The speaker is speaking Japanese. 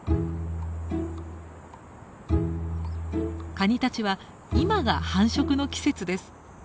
カニたちは今が繁殖の季節です。